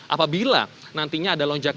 apabila nantinya ada lonjakan